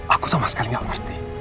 aku sama sekali nggak ngerti